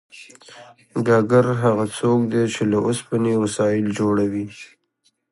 ګګر هغه څوک دی چې له اوسپنې وسایل جوړوي